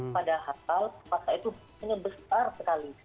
padahal puasa itu benar benar besar sekali